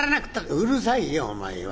「うるさいよお前は。